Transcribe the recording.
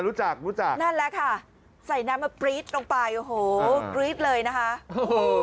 รู้จักรู้จักนั่นแหละค่ะใส่น้ำมาปรี๊ดลงไปโอ้โหกรี๊ดเลยนะคะโอ้โห